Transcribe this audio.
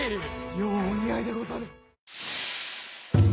ようお似合いでござる。